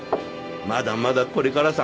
まだまだこれからさ。